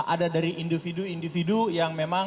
ada dari individu individu yang memang